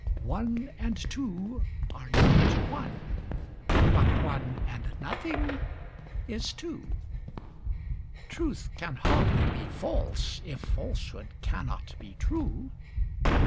One and two are not one: but one and nothing is two: Truth can hardly be false, if falsehood cannot be true.